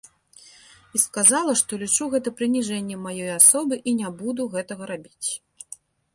І сказала, што лічу гэта прыніжэннем маёй асобы і не буду гэтага рабіць.